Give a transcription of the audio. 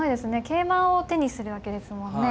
桂馬を手にするわけですもんね。